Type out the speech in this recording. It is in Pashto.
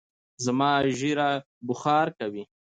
زما ژېره بوخار کوی